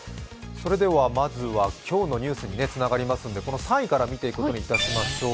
まずは今日のニュースにつながりますんで３位から見ていくことにいたしましょう。